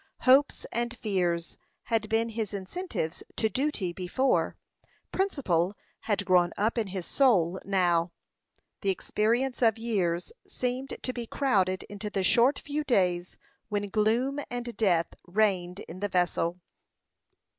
Hopes and fears had been his incentives to duty before; principle had grown up in his soul now. The experience of years seemed to be crowded into the few short days when gloom and death reigned in the vessel.